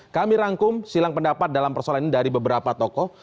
kami rangkum silang pendapat dalam persoalan ini dari beberapa tokoh